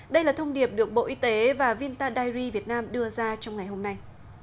đây là thông điệp được bộ y tế và vinta diary việt nam đưa ra trong ngày hôm nay